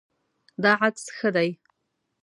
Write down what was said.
دا عکس ښه دی